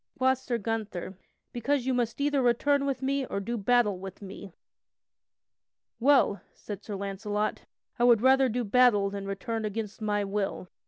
Quoth Sir Gunther: "Because you must either return with me or do battle with me." "Well," said Sir Launcelot, "I would rather do battle than return against my will."